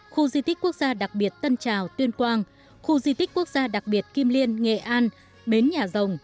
khu di tích quốc gia đặc biệt tân trào tuyên quang khu di tích quốc gia đặc biệt kim liên nghệ an bến nhà rồng